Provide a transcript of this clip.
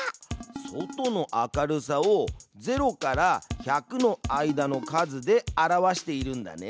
外の明るさを０から１００の間の数で表しているんだね。